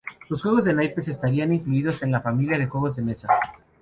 Los juegos de naipes estarían incluidos en la familia de juegos de mesa.